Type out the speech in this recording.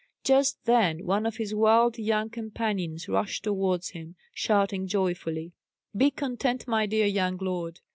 Just then one of his wild young companions rushed towards him, shouting joyfully: "Be content my dear young lord!